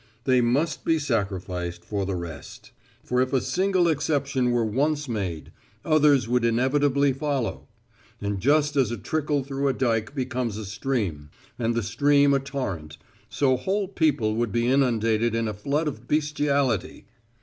"They must be sacrificed for the rest. For if a single exception were once made, others would inevitably follow; and just as a trickle through a dike becomes a stream, and the stream a torrent, so whole people would be inundated in a flood of bestiality.